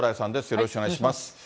よろしくお願いします。